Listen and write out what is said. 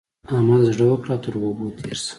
احمد زړه وکړه او تر اوبو تېر شه.